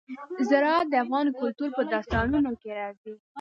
زراعت د افغان کلتور په داستانونو کې راځي.